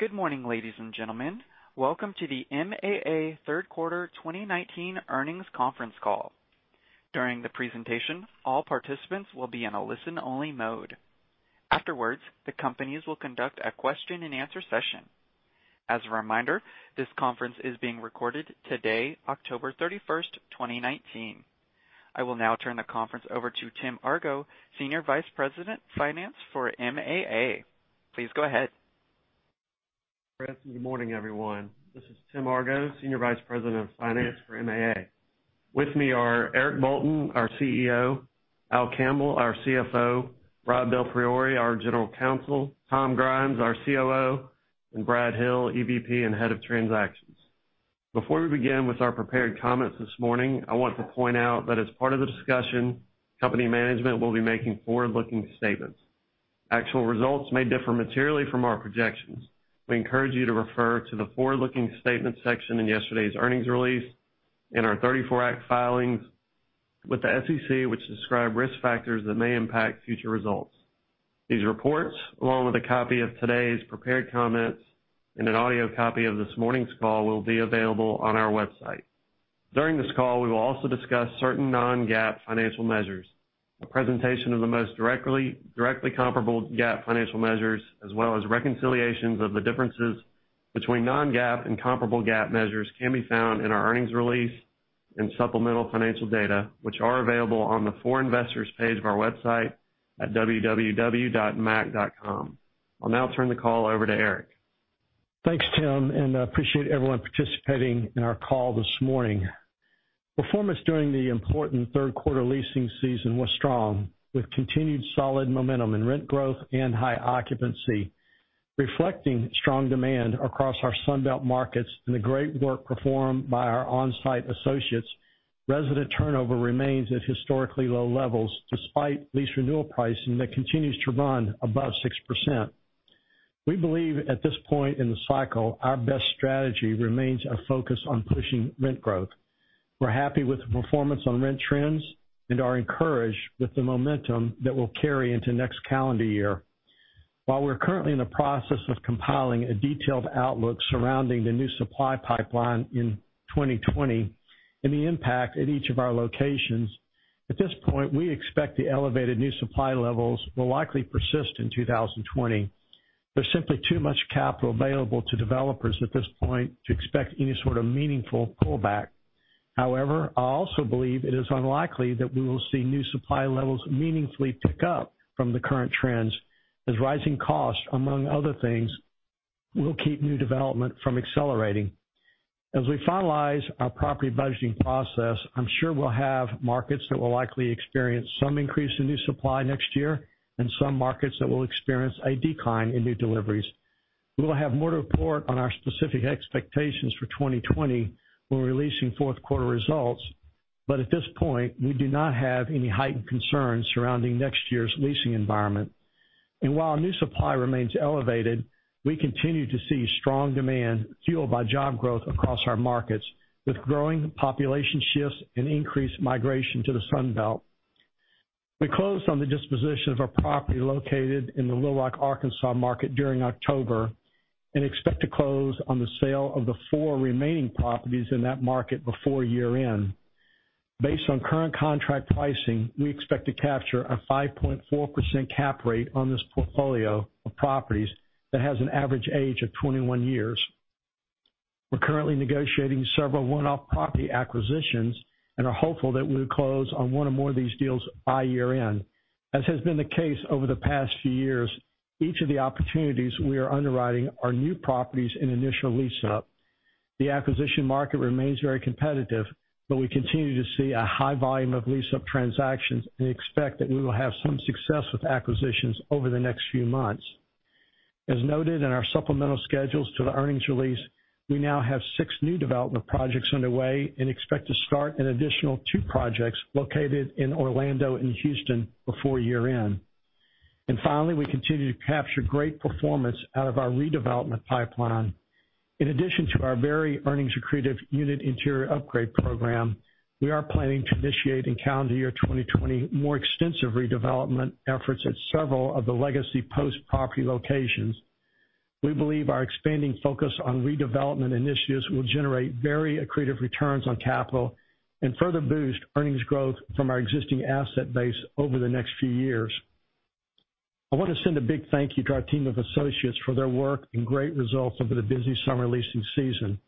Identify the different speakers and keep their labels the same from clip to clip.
Speaker 1: Good morning, ladies and gentlemen. Welcome to the MAA Third Quarter 2019 Earnings Conference Call. During the presentation, all participants will be in a listen-only mode. Afterwards, the company will conduct a question and answer session. As a reminder, this conference is being recorded today, October 31st, 2019. I will now turn the conference over to Tim Argo, Senior Vice President, Finance for MAA. Please go ahead.
Speaker 2: Good morning, everyone. This is Tim Argo, Senior Vice President of Finance for MAA. With me are Eric Bolton, our CEO, Al Campbell, our CFO, Robert DelPriore, our General Counsel, Tom Grimes, our COO, and Brad Hill, EVP and Head of Transactions. Before we begin with our prepared comments this morning, I want to point out that as part of the discussion, company management will be making forward-looking statements. Actual results may differ materially from our projections. We encourage you to refer to the forward-looking statements section in yesterday's earnings release and our 34 Act filings with the SEC, which describe risk factors that may impact future results. These reports, along with a copy of today's prepared comments and an audio copy of this morning's call, will be available on our website. During this call, we will also discuss certain non-GAAP financial measures. A presentation of the most directly comparable GAAP financial measures, as well as reconciliations of the differences between non-GAAP and comparable GAAP measures, can be found in our earnings release and supplemental financial data, which are available on the For Investors page of our website at www.maac.com. I'll now turn the call over to Eric.
Speaker 3: Thanks, Tim. I appreciate everyone participating in our call this morning. Performance during the important third quarter leasing season was strong, with continued solid momentum in rent growth and high occupancy. Reflecting strong demand across our Sun Belt markets and the great work performed by our on-site associates, resident turnover remains at historically low levels, despite lease renewal pricing that continues to run above 6%. We believe at this point in the cycle, our best strategy remains a focus on pushing rent growth. We're happy with the performance on rent trends and are encouraged with the momentum that will carry into next calendar year. While we're currently in the process of compiling a detailed outlook surrounding the new supply pipeline in 2020 and the impact at each of our locations, at this point, we expect the elevated new supply levels will likely persist in 2020. There's simply too much capital available to developers at this point to expect any sort of meaningful pullback. I also believe it is unlikely that we will see new supply levels meaningfully pick up from the current trends, as rising costs, among other things, will keep new development from accelerating. As we finalize our property budgeting process, I'm sure we'll have markets that will likely experience some increase in new supply next year and some markets that will experience a decline in new deliveries. We will have more to report on our specific expectations for 2020 when we're releasing fourth quarter results. At this point, we do not have any heightened concerns surrounding next year's leasing environment. While new supply remains elevated, we continue to see strong demand fueled by job growth across our markets, with growing population shifts and increased migration to the Sun Belt. We closed on the disposition of our property located in the Little Rock, Arkansas market during October and expect to close on the sale of the four remaining properties in that market before year-end. Based on current contract pricing, we expect to capture a 5.4% cap rate on this portfolio of properties that has an average age of 21 years. We're currently negotiating several one-off property acquisitions and are hopeful that we'll close on one or more of these deals by year-end. As has been the case over the past few years, each of the opportunities we are underwriting are new properties in initial lease-up. The acquisition market remains very competitive, but we continue to see a high volume of lease-up transactions and expect that we will have some success with acquisitions over the next few months. As noted in our supplemental schedules to the earnings release, we now have six new development projects underway and expect to start an additional two projects located in Orlando and Houston before year-end. Finally, we continue to capture great performance out of our redevelopment pipeline. In addition to our very earnings-accretive Unit Interior Upgrade Program, we are planning to initiate in calendar year 2020 more extensive redevelopment efforts at several of the legacy Post Properties locations. We believe our expanding focus on redevelopment initiatives will generate very accretive returns on capital and further boost earnings growth from our existing asset base over the next few years. I want to send a big thank you to our team of associates for their work and great results over the busy summer leasing season.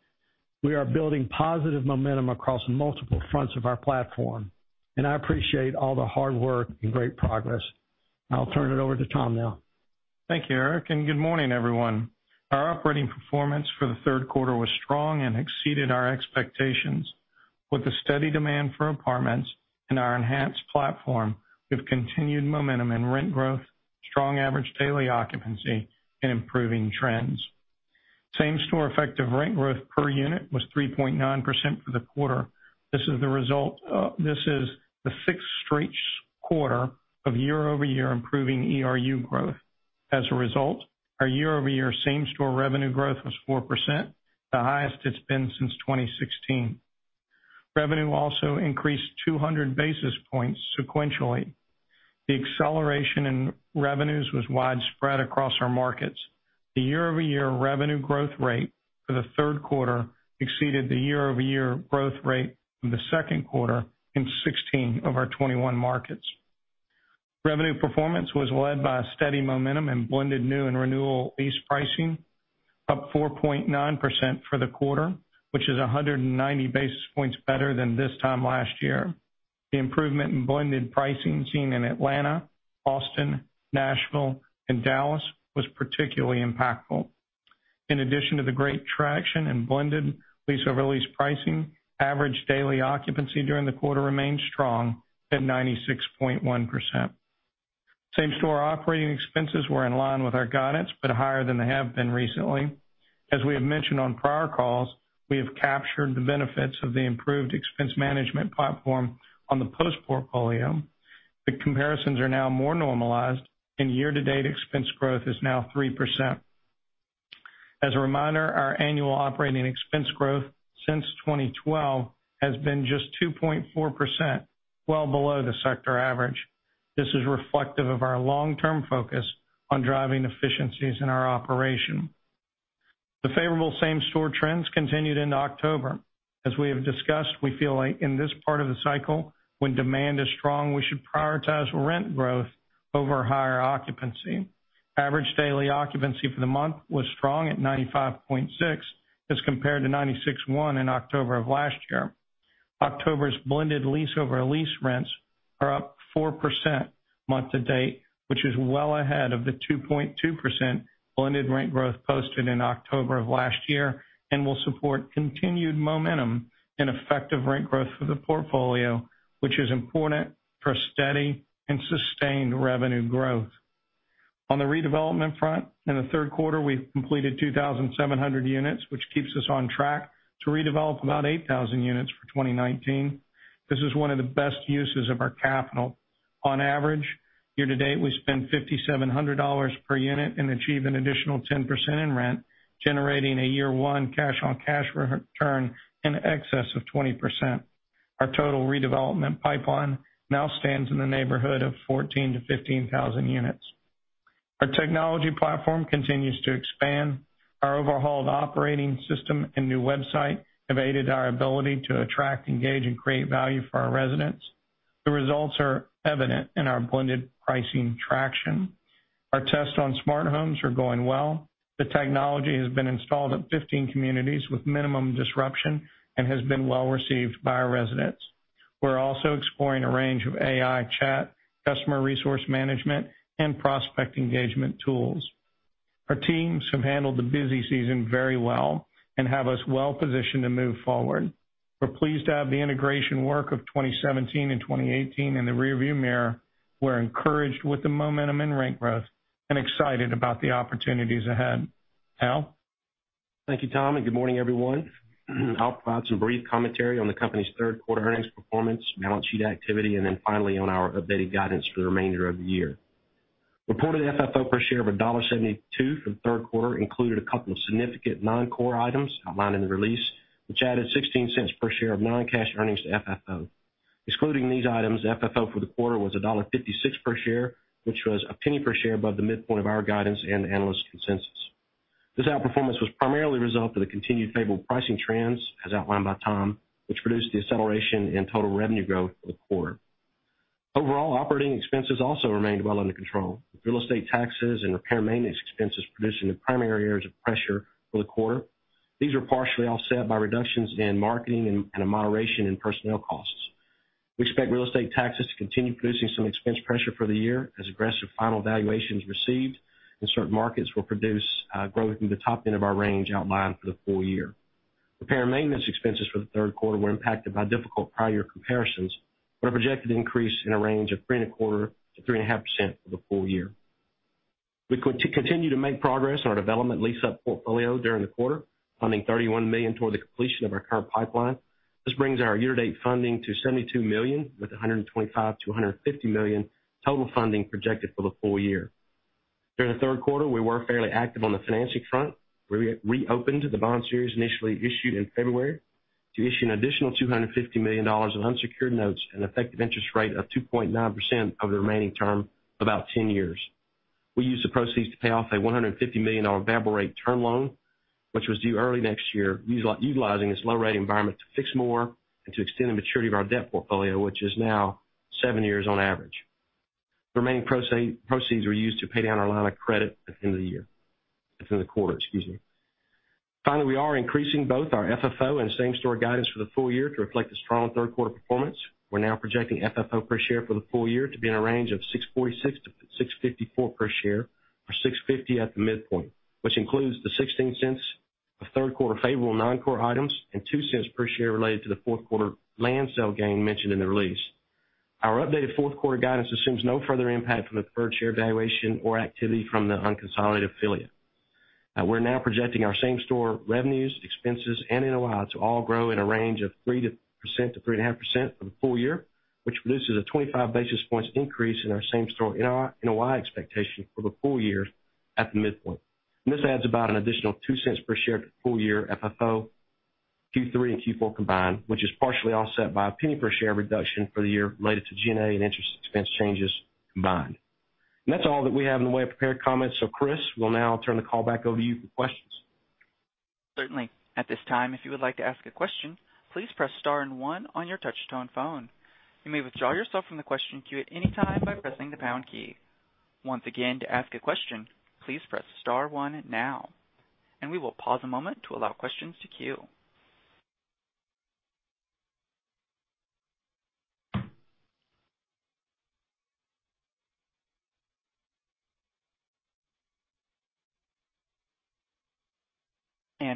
Speaker 3: We are building positive momentum across multiple fronts of our platform, and I appreciate all the hard work and great progress. I'll turn it over to Tom now.
Speaker 4: Thank you, Eric. Good morning, everyone. Our operating performance for the third quarter was strong and exceeded our expectations. With the steady demand for apartments and our enhanced platform, we've continued momentum in rent growth, strong average daily occupancy, and improving trends. Same-store effective rent growth per unit was 3.9% for the quarter. This is the sixth straight quarter of year-over-year improving ERU growth. As a result, our year-over-year same-store revenue growth was 4%, the highest it's been since 2016. Revenue also increased 200 basis points sequentially. The acceleration in revenues was widespread across our markets. The year-over-year revenue growth rate for the third quarter exceeded the year-over-year growth rate in the second quarter in 16 of our 21 markets. Revenue performance was led by a steady momentum in blended new and renewal lease pricing, up 4.9% for the quarter, which is 190 basis points better than this time last year. The improvement in blended pricing seen in Atlanta, Austin, Nashville, and Dallas was particularly impactful. In addition to the great traction in blended lease-over-lease pricing, average daily occupancy during the quarter remained strong at 96.1%. Same-store operating expenses were in line with our guidance, but higher than they have been recently. As we have mentioned on prior calls, we have captured the benefits of the improved expense management platform on the Post portfolio. The comparisons are now more normalized, and year-to-date expense growth is now 3%. As a reminder, our annual operating expense growth since 2012 has been just 2.4%, well below the sector average. This is reflective of our long-term focus on driving efficiencies in our operation. The favorable same-store trends continued into October. As we have discussed, we feel like in this part of the cycle, when demand is strong, we should prioritize rent growth over higher occupancy. Average daily occupancy for the month was strong at 95.6 as compared to 96.1 in October of last year. October's blended lease-over-lease rents are up 4% month-to-date, which is well ahead of the 2.2% blended rent growth posted in October of last year, and will support continued momentum in effective rent growth for the portfolio, which is important for steady and sustained revenue growth. On the redevelopment front, in the third quarter, we completed 2,700 units, which keeps us on track to redevelop about 8,000 units for 2019. This is one of the best uses of our capital. On average, year to date, we spend $5,700 per unit and achieve an additional 10% in rent, generating a year one cash on cash return in excess of 20%. Our total redevelopment pipeline now stands in the neighborhood of 14,000-15,000 units. Our technology platform continues to expand. Our overhauled operating system and new website have aided our ability to attract, engage, and create value for our residents. The results are evident in our blended pricing traction. Our tests on smart homes are going well. The technology has been installed at 15 communities with minimum disruption and has been well received by our residents. We're also exploring a range of AI chat, customer resource management, and prospect engagement tools. Our teams have handled the busy season very well and have us well positioned to move forward. We're pleased to have the integration work of 2017 and 2018 in the rearview mirror. We're encouraged with the momentum and rent growth and excited about the opportunities ahead. Al?
Speaker 5: Thank you, Tom, and good morning, everyone. I'll provide some brief commentary on the company's third quarter earnings performance, balance sheet activity, and then finally, on our updated guidance for the remainder of the year. Reported FFO per share of $1.72 for the third quarter included a couple of significant non-core items outlined in the release, which added $0.16 per share of non-cash earnings to FFO. Excluding these items, FFO for the quarter was $1.56 per share, which was $0.01 per share above the midpoint of our guidance and the analyst consensus. This outperformance was primarily a result of the continued favorable pricing trends, as outlined by Tom, which produced the acceleration in total revenue growth for the quarter. Overall, operating expenses also remained well under control, with real estate taxes and repair and maintenance expenses producing the primary areas of pressure for the quarter. These were partially offset by reductions in marketing and a moderation in personnel costs. We expect real estate taxes to continue producing some expense pressure for the year as aggressive final valuations received in certain markets will produce growth in the top end of our range outlined for the full year. Repair and maintenance expenses for the third quarter were impacted by difficult prior year comparisons, but are projected to increase in a range of 3.25%-3.5% for the full year. We continue to make progress on our development lease-up portfolio during the quarter, funding $31 million toward the completion of our current pipeline. This brings our year-to-date funding to $72 million, with $125 million-$150 million total funding projected for the full year. During the third quarter, we were fairly active on the financing front. We reopened the bond series initially issued in February to issue an additional $250 million of unsecured notes and effective interest rate of 2.9% over the remaining term of about 10 years. We used the proceeds to pay off a $150 million variable rate term loan, which was due early next year, utilizing this low rate environment to fix more and to extend the maturity of our debt portfolio, which is now seven years on average. The remaining proceeds were used to pay down our line of credit within the quarter. We are increasing both our FFO and same-store guidance for the full year to reflect the strong third quarter performance. We're now projecting FFO per share for the full year to be in a range of $6.46-$6.54 per share, or $6.50 at the midpoint, which includes the $0.16 of third quarter favorable non-core items and $0.02 per share related to the fourth quarter land sale gain mentioned in the release. Our updated fourth quarter guidance assumes no further impact from the per share valuation or activity from the unconsolidated affiliate. We're now projecting our same-store revenues, expenses, and NOI to all grow in a range of 3%-3.5% for the full year, which produces a 25 basis points increase in our same-store NOI expectation for the full year.
Speaker 3: At the midpoint. This adds about an additional $0.02 per share to full year FFO, Q3 and Q4 combined, which is partially offset by a $0.01 per share reduction for the year related to G&A and interest expense changes combined. That's all that we have in the way of prepared comments. Chris, we'll now turn the call back over to you for questions.
Speaker 1: Certainly. At this time, if you would like to ask a question, please press star and one on your touch-tone phone. You may withdraw yourself from the question queue at any time by pressing the pound key. Once again, to ask a question, please press star one now. We will pause a moment to allow questions to queue.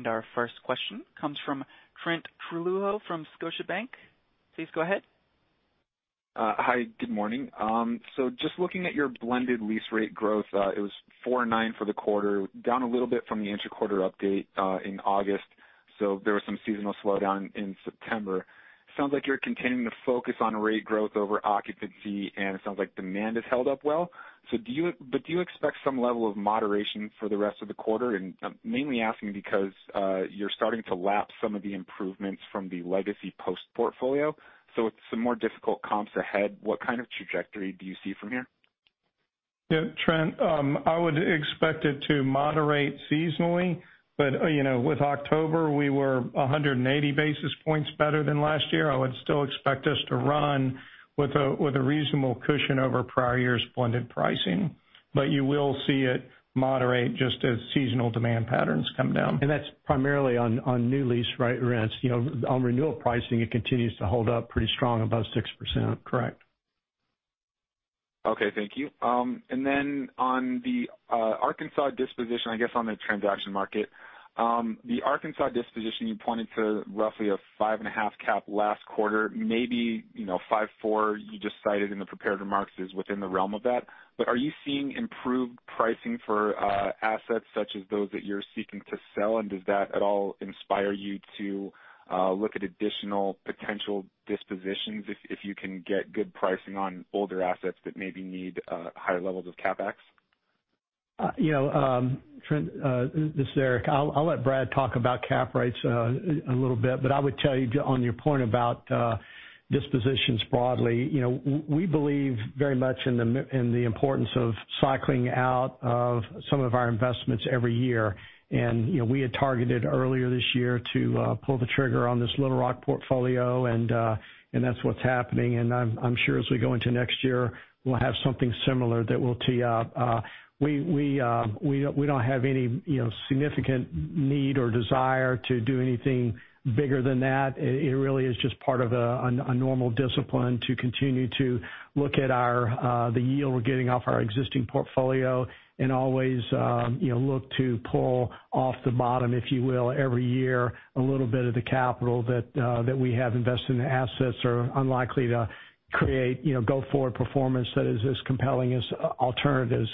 Speaker 1: Our first question comes from Trent Trujillo from Scotiabank. Please go ahead.
Speaker 6: Hi. Good morning. Just looking at your blended lease rate growth, it was 4.9 for the quarter, down a little bit from the interquarter update, in August. There was some seasonal slowdown in September. Sounds like you're continuing to focus on rate growth over occupancy, and it sounds like demand has held up well. Do you expect some level of moderation for the rest of the quarter? I'm mainly asking because, you're starting to lap some of the improvements from the legacy Post portfolio, so it's some more difficult comps ahead. What kind of trajectory do you see from here?
Speaker 2: Yeah, Trent, I would expect it to moderate seasonally, but with October, we were 180 basis points better than last year. I would still expect us to run with a reasonable cushion over prior year's blended pricing. You will see it moderate just as seasonal demand patterns come down.
Speaker 3: That's primarily on new lease rate rents. On renewal pricing, it continues to hold up pretty strong above 6%. Correct.
Speaker 6: Okay. Thank you. On the Arkansas disposition, I guess, on the transaction market. The Arkansas disposition, you pointed to roughly a 5.5 cap last quarter, maybe 5.4 you just cited in the prepared remarks is within the realm of that. Are you seeing improved pricing for assets such as those that you're seeking to sell, and does that at all inspire you to look at additional potential dispositions if you can get good pricing on older assets that maybe need higher levels of CapEx?
Speaker 3: Trent, this is Eric. I'll let Brad talk about cap rates a little bit, but I would tell you on your point about dispositions broadly. We believe very much in the importance of cycling out of some of our investments every year. We had targeted earlier this year to pull the trigger on this Little Rock portfolio, and that's what's happening. I'm sure as we go into next year, we'll have something similar that we'll tee up. We don't have any significant need or desire to do anything bigger than that. It really is just part of a normal discipline to continue to look at the yield we're getting off our existing portfolio and always look to pull off the bottom, if you will, every year, a little bit of the capital that we have invested in assets are unlikely to create go-forward performance that is as compelling as alternatives.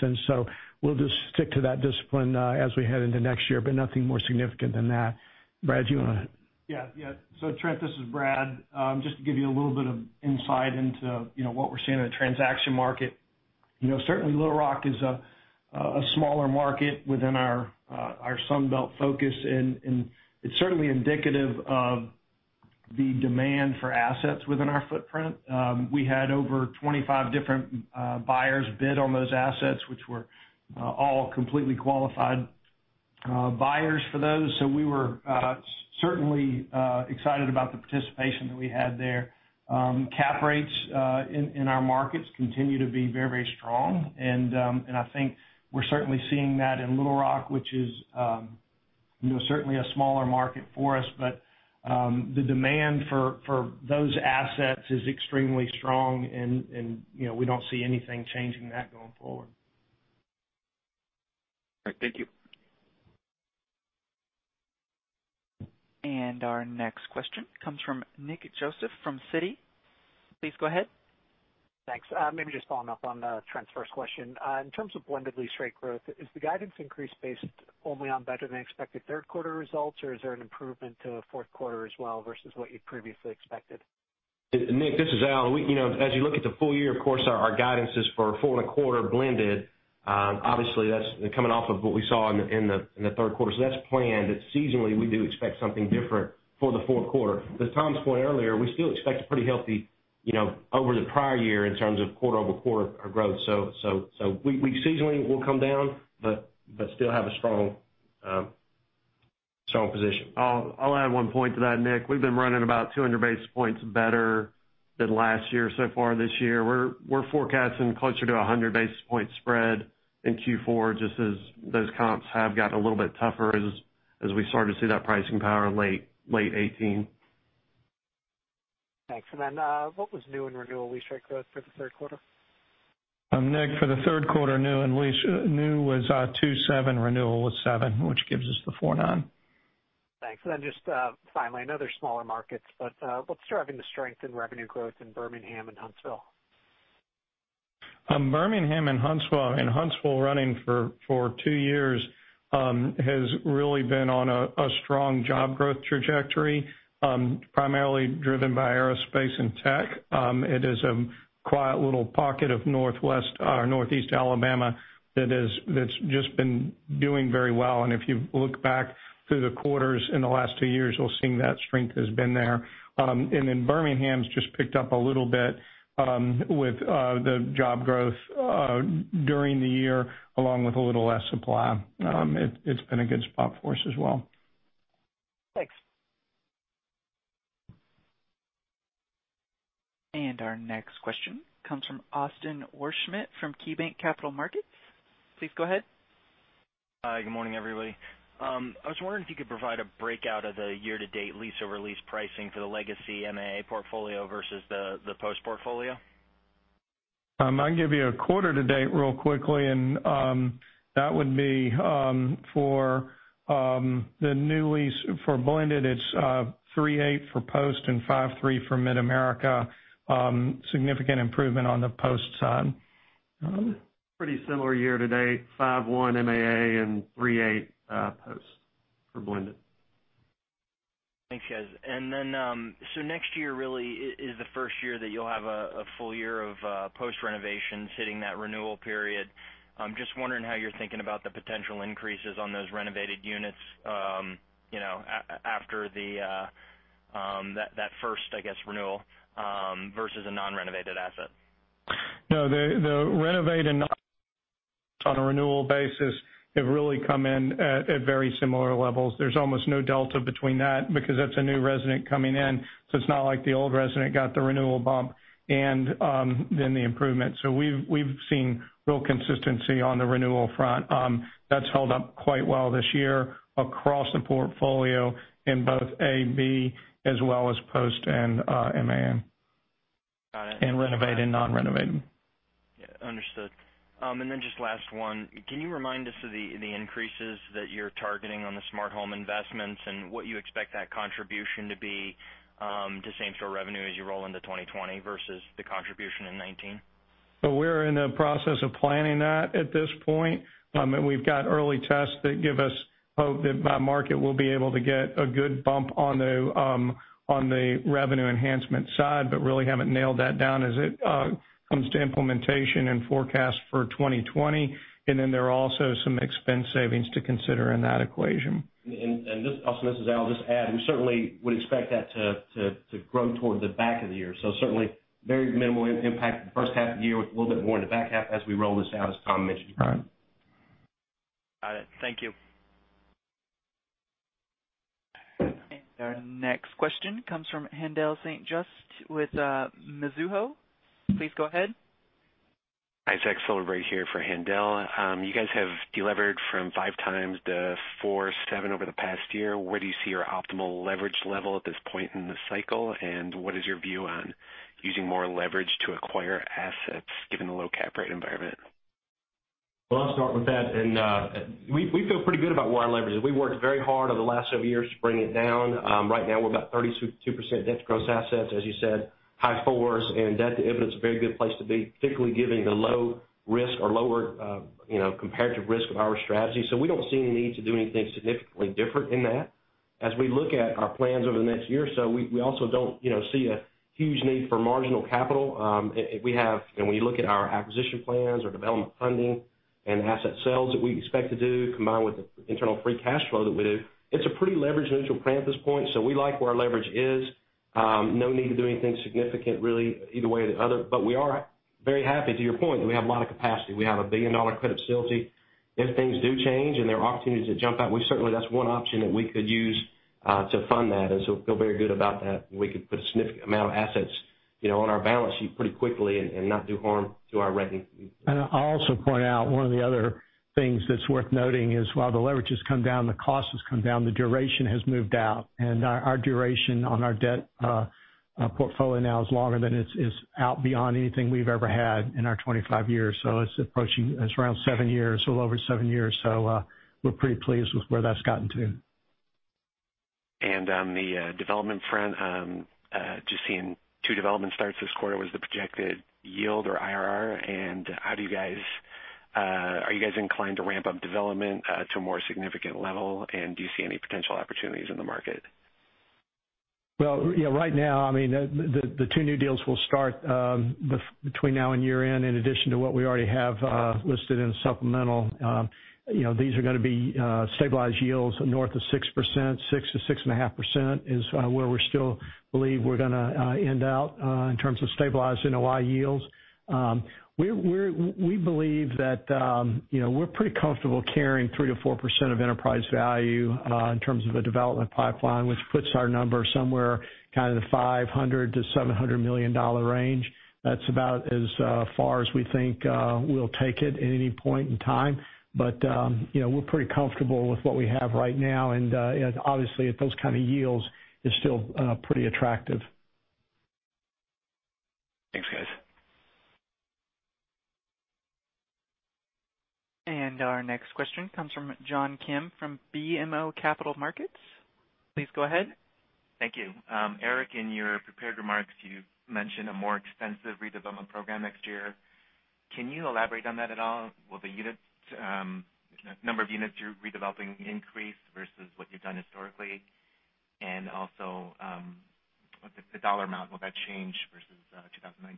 Speaker 3: We'll just stick to that discipline as we head into next year, but nothing more significant than that. Brad, you want to?
Speaker 7: Trent, this is Brad. Just to give you a little bit of insight into what we're seeing in the transaction market. Certainly Little Rock is a smaller market within our Sun Belt focus, and it's certainly indicative of the demand for assets within our footprint. We had over 25 different buyers bid on those assets, which were all completely qualified buyers for those. We were certainly excited about the participation that we had there. Cap rates in our markets continue to be very strong. I think we're certainly seeing that in Little Rock, which is certainly a smaller market for us. The demand for those assets is extremely strong and we don't see anything changing that going forward.
Speaker 6: All right. Thank you.
Speaker 1: Our next question comes from Nick Yulico from Citi. Please go ahead.
Speaker 8: Thanks. Maybe just following up on Trent's first question. In terms of blended lease rate growth, is the guidance increase based only on better than expected third quarter results, or is there an improvement to fourth quarter as well versus what you'd previously expected?
Speaker 5: Nick, this is Al. As you look at the full year, of course, our guidance is for a four and a quarter blended. Obviously, that's coming off of what we saw in the third quarter. That's planned, but seasonally, we do expect something different for the fourth quarter. To Tom's point earlier, we still expect pretty healthy over the prior year in terms of quarter-over-quarter growth. Seasonally, we'll come down, but still have a strong position.
Speaker 2: I'll add one point to that, Nick. We've been running about 200 basis points better than last year so far this year. We're forecasting closer to 100 basis point spread in Q4, just as those comps have gotten a little bit tougher as we started to see that pricing power in late 2018.
Speaker 8: Thanks. What was new and renewal lease rate growth for the third quarter?
Speaker 2: Nick, for the third quarter new and lease, new was 2.7%, renewal was 7%, which gives us the 4.9%.
Speaker 8: Thanks. Just finally, I know they're smaller markets, but what's driving the strength in revenue growth in Birmingham and Huntsville?
Speaker 4: Birmingham and Huntsville. I mean, Huntsville running for 2 years, has really been on a strong job growth trajectory primarily driven by aerospace and tech. It is a quiet little pocket of Northwest or Northeast Alabama that's just been doing very well. If you look back through the quarters in the last 2 years, you'll have seen that strength has been there. Then Birmingham's just picked up a little bit, with the job growth during the year, along with a little less supply. It's been a good spot for us as well.
Speaker 8: Thanks.
Speaker 1: Our next question comes from Austin Wurschmidt from KeyBanc Capital Markets. Please go ahead.
Speaker 9: Hi, good morning, everybody. I was wondering if you could provide a breakout of the year-to-date lease over lease pricing for the legacy MAA portfolio versus the Post portfolio.
Speaker 4: I can give you a quarter to date real quickly, that would be for the new lease for blended it's 3.8 for Post and 5.3 for Mid-America. Significant improvement on the Post side.
Speaker 5: Pretty similar year to date, 5.1% MAA and 3.8% Post for blended.
Speaker 9: Thanks, guys. Next year really is the first year that you'll have a full year of Post renovations hitting that renewal period. Just wondering how you're thinking about the potential increases on those renovated units, after that first, I guess, renewal, versus a non-renovated asset?
Speaker 4: No, the renovated on a renewal basis have really come in at very similar levels. There's almost no delta between that because that's a new resident coming in, so it's not like the old resident got the renewal bump and then the improvement. We've seen real consistency on the renewal front. That's held up quite well this year across the portfolio in both A, B, as well as Post and MAA.
Speaker 9: Got it.
Speaker 4: In renovated and non-renovated.
Speaker 9: Understood. Just last one. Can you remind us of the increases that you're targeting on the smart home investments and what you expect that contribution to be to same-store revenue as you roll into 2020 versus the contribution in 2019?
Speaker 4: We're in the process of planning that at this point. We've got early tests that give us hope that by market, we'll be able to get a good bump on the revenue enhancement side, but really haven't nailed that down as it comes to implementation and forecast for 2020. Then there are also some expense savings to consider in that equation.
Speaker 5: This, Austin, this is Al, I'll just add, we certainly would expect that to grow toward the back of the year. Certainly very minimal impact the first half of the year, with a little bit more in the back half as we roll this out, as Tom mentioned.
Speaker 9: Got it. Thank you.
Speaker 1: Our next question comes from Haendel St. Juste with Mizuho. Please go ahead.
Speaker 10: Hi, Zachary Silverberg here for Haendel. You guys have delevered from 5x to 4.7x over the past year. Where do you see your optimal leverage level at this point in the cycle? What is your view on using more leverage to acquire assets given the low cap rate environment?
Speaker 5: Well, I'll start with that. We feel pretty good about where our leverage is. We worked very hard over the last several years to bring it down. Right now, we're about 32% debt to gross assets. As you said, high fours in debt to EBITDA is a very good place to be, particularly given the low risk or lower comparative risk of our strategy. We don't see any need to do anything significantly different in that. As we look at our plans over the next year or so, we also don't see a huge need for marginal capital. We look at our acquisition plans, our development funding, and asset sales that we expect to do, combined with the internal free cash flow that we do, it's a pretty leverage-neutral plan at this point. We like where our leverage is. No need to do anything significant, really, either way or the other. We are very happy, to your point, that we have a lot of capacity. We have a billion-dollar credit facility. If things do change and there are opportunities that jump out, certainly that's one option that we could use to fund that, and so feel very good about that. We could put a significant amount of assets on our balance sheet pretty quickly and not do harm to our ranking.
Speaker 4: I'll also point out one of the other things that's worth noting is while the leverage has come down, the cost has come down, the duration has moved out. Our duration on our debt portfolio now is longer than is out beyond anything we've ever had in our 25 years. It's approaching, it's around seven years, a little over seven years. We're pretty pleased with where that's gotten to.
Speaker 10: On the development front, just seeing two development starts this quarter, what's the projected yield or IRR? Are you guys inclined to ramp up development to a more significant level? Do you see any potential opportunities in the market?
Speaker 7: Well, yeah, right now, the two new deals will start between now and year-end, in addition to what we already have listed in supplemental. These are gonna be stabilized yields north of 6%, 6%-6.5% is where we still believe we're gonna end out in terms of stabilized NOI yields. We believe that we're pretty comfortable carrying 3%-4% of enterprise value in terms of the development pipeline, which puts our number somewhere kind of the $500 million-$700 million range. That's about as far as we think we'll take it at any point in time. We're pretty comfortable with what we have right now, and obviously at those kind of yields is still pretty attractive.
Speaker 10: Thanks, guys.
Speaker 1: Our next question comes from John Kim from BMO Capital Markets. Please go ahead.
Speaker 11: Thank you. Eric, in your prepared remarks, you mentioned a more extensive redevelopment program next year. Can you elaborate on that at all? Will the number of units you're redeveloping increase versus what you've done historically? Also, the dollar amount, will that change versus 2019?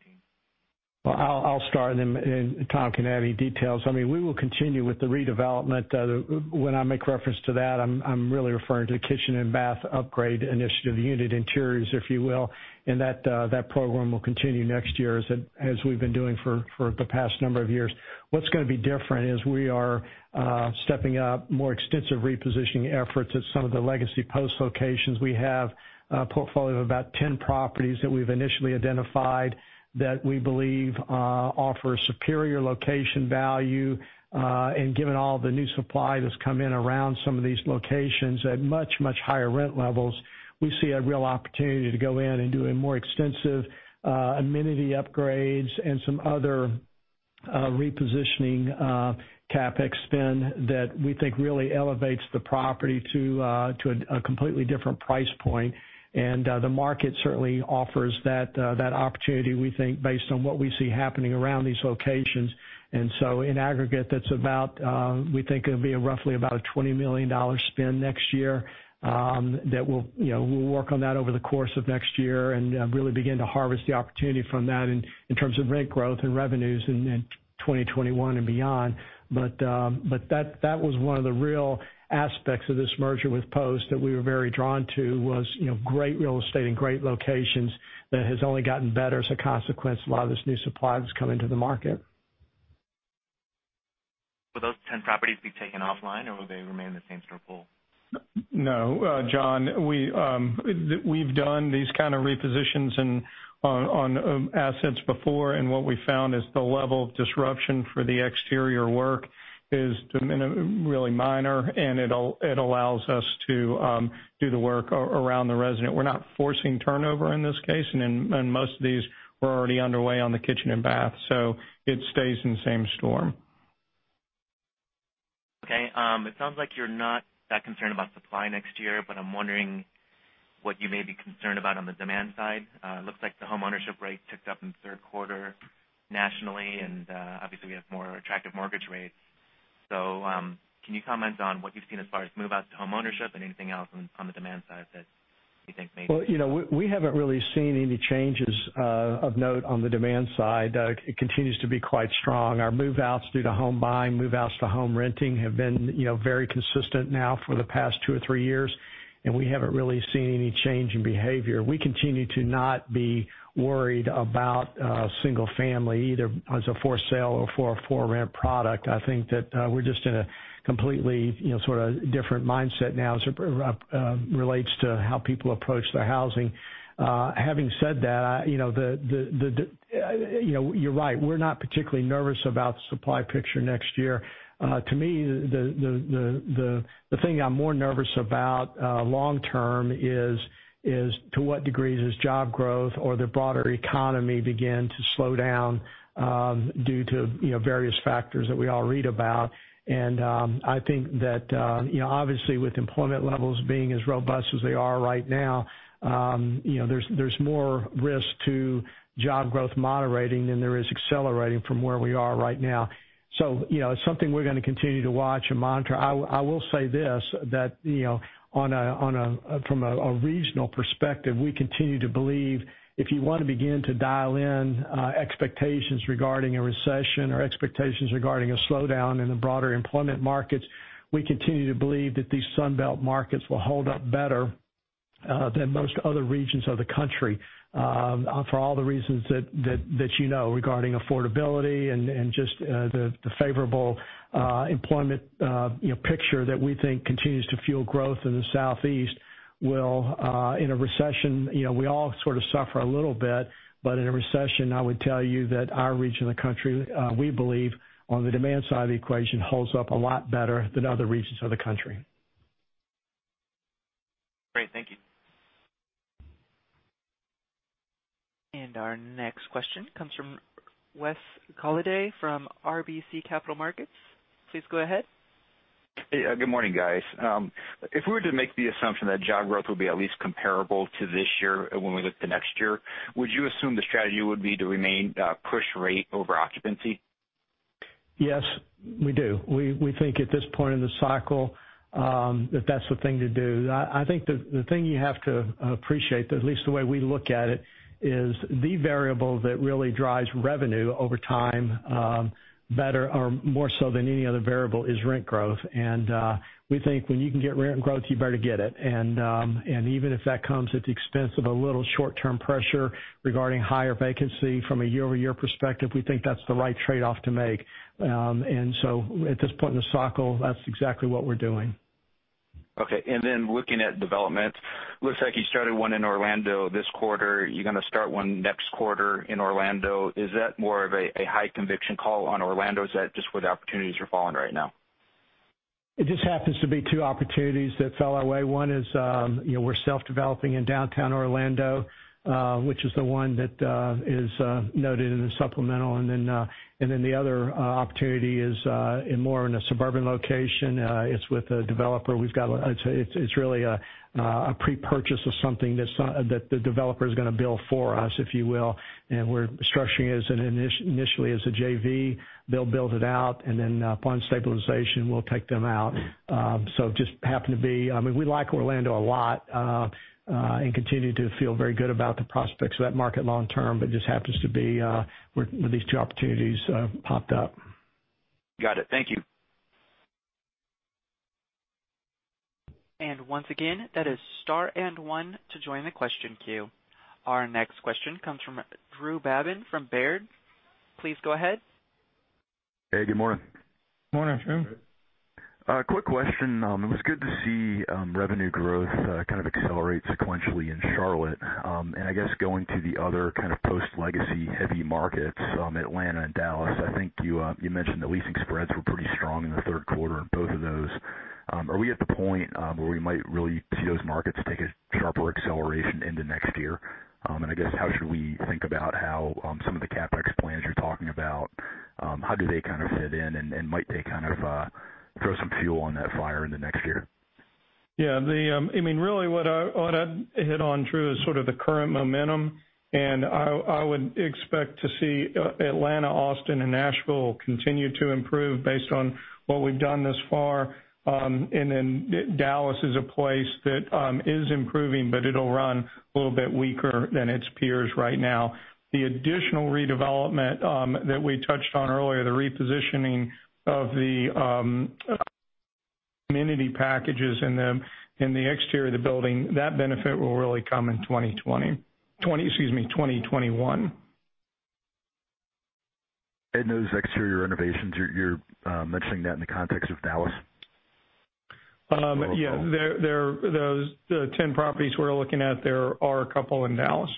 Speaker 3: I'll start and then Tom can add any details. We will continue with the redevelopment. When I make reference to that, I'm really referring to the Kitchen and Bath Upgrade Initiative, the unit interiors, if you will, and that program will continue next year as we've been doing for the past number of years. What's going to be different is we are stepping up more extensive repositioning efforts at some of the legacy Post locations. We have a portfolio of about 10 properties that we've initially identified that we believe offer superior location value. Given all the new supply that's come in around some of these locations at much, much higher rent levels, we see a real opportunity to go in and do a more extensive amenity upgrades and some other repositioning CapEx spend that we think really elevates the property to a completely different price point. The market certainly offers that opportunity, we think, based on what we see happening around these locations. In aggregate, that's about, we think it'll be roughly about a $20 million spend next year. We'll work on that over the course of next year and really begin to harvest the opportunity from that in terms of rent growth and revenues in 2021 and beyond. That was one of the real aspects of this merger with Post that we were very drawn to was great real estate and great locations that has only gotten better as a consequence of a lot of this new supply that's come into the market.
Speaker 11: Will those 10 properties be taken offline, or will they remain in the same-store pool?
Speaker 3: No, John, we've done these kind of repositions on assets before, and what we found is the level of disruption for the exterior work is really minor, and it allows us to do the work around the resident. We're not forcing turnover in this case, and most of these were already underway on the kitchen and bath. It stays in the same-store.
Speaker 11: Okay. It sounds like you're not that concerned about supply next year, but I'm wondering what you may be concerned about on the demand side. It looks like the home ownership rate ticked up in the third quarter nationally, and obviously we have more attractive mortgage rates. Can you comment on what you've seen as far as move-outs to home ownership and anything else on the demand side that you think?
Speaker 3: Well, we haven't really seen any changes of note on the demand side. It continues to be quite strong. Our move-outs due to home buying, move-outs to home renting, have been very consistent now for the past two or three years, and we haven't really seen any change in behavior. We continue to not be worried about single family, either as a for sale or for a for rent product. I think that we're just in a completely sort of different mindset now as it relates to how people approach their housing. Having said that, you're right. We're not particularly nervous about the supply picture next year. To me, the thing I'm more nervous about long-term is to what degree does job growth or the broader economy begin to slow down due to various factors that we all read about. I think that obviously with employment levels being as robust as they are right now, there's more risk to job growth moderating than there is accelerating from where we are right now. It's something we're going to continue to watch and monitor. I will say this, that from a regional perspective, we continue to believe if you want to begin to dial in expectations regarding a recession or expectations regarding a slowdown in the broader employment markets, we continue to believe that these Sun Belt markets will hold up better than most other regions of the country for all the reasons that you know regarding affordability and just the favorable employment picture that we think continues to fuel growth in the Southeast. In a recession, we all sort of suffer a little bit, but in a recession, I would tell you that our region of the country, we believe on the demand side of the equation, holds up a lot better than other regions of the country.
Speaker 11: Great. Thank you.
Speaker 1: Our next question comes from Wes Poston from RBC Capital Markets. Please go ahead.
Speaker 12: Good morning, guys. If we were to make the assumption that job growth will be at least comparable to this year when we look to next year, would you assume the strategy would be to remain push rate over occupancy?
Speaker 3: Yes, we do. We think at this point in the cycle, that that's the thing to do. I think the thing you have to appreciate, at least the way we look at it, is the variable that really drives revenue over time better or more so than any other variable, is rent growth. We think when you can get rent growth, you better get it. Even if that comes at the expense of a little short-term pressure regarding higher vacancy from a year-over-year perspective, we think that's the right trade-off to make. At this point in the cycle, that's exactly what we're doing.
Speaker 12: Okay. Looking at development, looks like you started one in Orlando this quarter. You're going to start one next quarter in Orlando. Is that more of a high conviction call on Orlando, or is that just where the opportunities are falling right now?
Speaker 3: It just happens to be two opportunities that fell our way. One is, we're self-developing in downtown Orlando, which is the one that is noted in the supplemental. The other opportunity is in more in a suburban location. It's with a developer. It's really a pre-purchase of something that the developer's going to build for us, if you will. We're structuring it initially as a JV. They'll build it out, and then upon stabilization, we'll take them out. Just happened to be We like Orlando a lot, and continue to feel very good about the prospects of that market long term. It just happens to be where these two opportunities popped up.
Speaker 12: Got it. Thank you.
Speaker 1: Once again, that is star and one to join the question queue. Our next question comes from Drew Babin from Baird. Please go ahead.
Speaker 13: Hey, good morning.
Speaker 3: Morning, Drew.
Speaker 13: Quick question. It was good to see revenue growth kind of accelerate sequentially in Charlotte. I guess going to the other kind of post-legacy heavy markets, Atlanta and Dallas, I think you mentioned the leasing spreads were pretty strong in the third quarter in both of those. Are we at the point where we might really see those markets take a sharper acceleration into next year? I guess, how should we think about how some of the CapEx plans you're talking about, how do they kind of fit in, and might they kind of throw some fuel on that fire in the next year?
Speaker 4: Yeah. Really what I'd hit on, Drew, is sort of the current momentum, and I would expect to see Atlanta, Austin, and Nashville continue to improve based on what we've done thus far. Dallas is a place that is improving, but it'll run a little bit weaker than its peers right now. The additional redevelopment that we touched on earlier, the repositioning of the amenity packages in the exterior of the building, that benefit will really come in 2021.
Speaker 13: Those exterior renovations, you're mentioning that in the context of Dallas?
Speaker 3: Yeah. The 10 properties we're looking at, there are a couple in Dallas.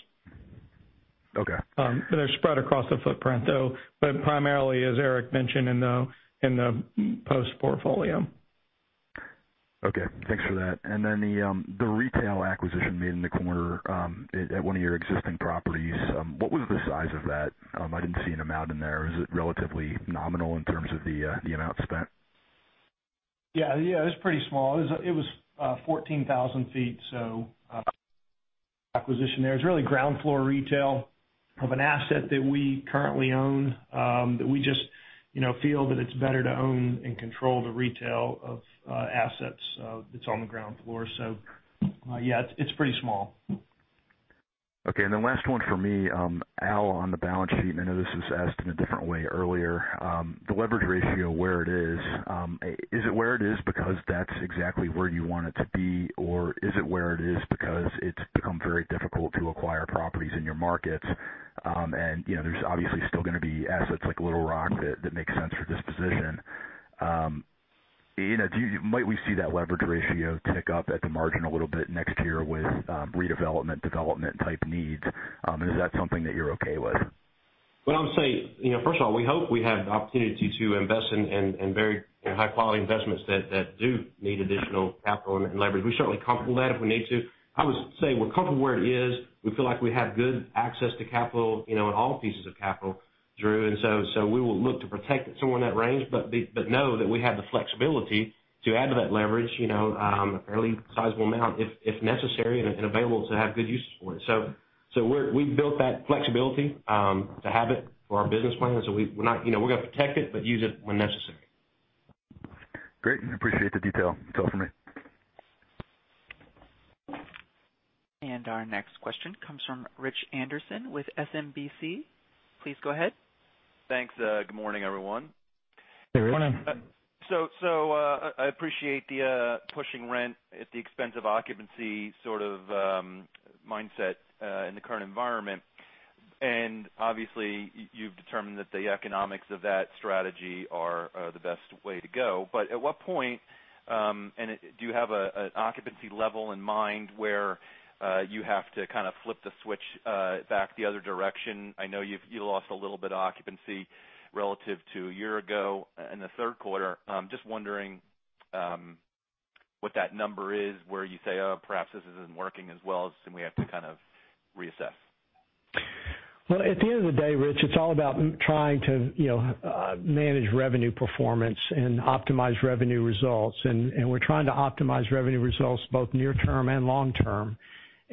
Speaker 13: Okay.
Speaker 4: They're spread across the footprint, though, but primarily, as Eric mentioned, in the POST portfolio.
Speaker 13: Okay, thanks for that. Then the retail acquisition made in the quarter at one of your existing properties, what was the size of that? I didn't see an amount in there. Is it relatively nominal in terms of the amount spent?
Speaker 7: Yeah. It was pretty small. It was 14,000 feet, so acquisition there. It's really ground floor retail of an asset that we currently own, that we just feel that it's better to own and control the retail of assets that's on the ground floor. Yeah, it's pretty small.
Speaker 13: Okay, then last one from me. Al, on the balance sheet, and I know this was asked in a different way earlier. The leverage ratio, where it is it where it is because that's exactly where you want it to be, or is it where it is because it's become very difficult to acquire properties in your markets? There's obviously still going to be assets like Little Rock that make sense for disposition. Might we see that leverage ratio tick up at the margin a little bit next year with redevelopment, development type needs? Is that something that you're okay with?
Speaker 5: Well, I would say, first of all, we hope we have the opportunity to invest in very high-quality investments that do need additional capital and leverage. We're certainly comfortable with that if we need to. I would say we're comfortable where it is. We feel like we have good access to capital, in all pieces of capital, Drew, and so we will look to protect somewhere in that range, but know that we have the flexibility to add to that leverage, a fairly sizable amount if necessary and if available to have good uses for it. We've built that flexibility, to have it for our business plan. We're going to protect it but use it when necessary.
Speaker 13: Great. Appreciate the detail. That's all for me.
Speaker 1: Our next question comes from Richard Anderson with SMBC. Please go ahead.
Speaker 14: Thanks. Good morning, everyone.
Speaker 3: Hey, Rich.
Speaker 7: Morning.
Speaker 14: I appreciate the pushing rent at the expense of occupancy sort of mindset in the current environment. Obviously, you've determined that the economics of that strategy are the best way to go. At what point, and do you have an occupancy level in mind where you have to kind of flip the switch back the other direction? I know you lost a little bit of occupancy relative to a year ago in the third quarter. Just wondering what that number is where you say, "Oh, perhaps this isn't working as well, so we have to kind of reassess.
Speaker 3: Well, at the end of the day, Rich, it's all about trying to manage revenue performance and optimize revenue results. We're trying to optimize revenue results both near term and long term.